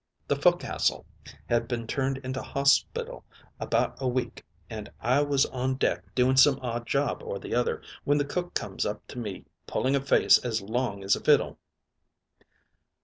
"The foc'sle had been turned into hospital about a week, an' I was on deck doing some odd job or the other, when the cook comes up to me pulling a face as long as a fiddle.